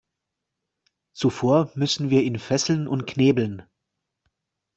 Zuvor müssen wir ihn fesseln und knebeln.